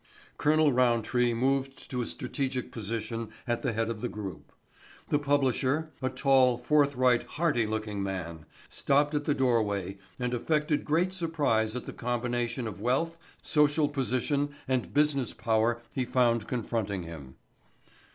Colonel Roundtree moved to a strategic position at the head of the group. The publisher—a tall, forthright, hearty looking man—stopped at the doorway and affected great surprise at the combination of wealth, social position and business power he found confronting him.